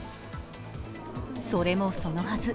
それもそのはず